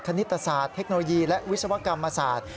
ณิตศาสตร์เทคโนโลยีและวิศวกรรมศาสตร์